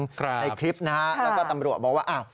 ในคลิปนะฮะแล้วก็ตำรวจบอกว่า